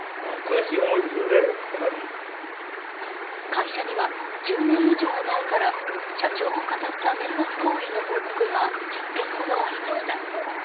会社には、１０年以上前から社長をかたった迷惑行為の報告が１００件ほどありました。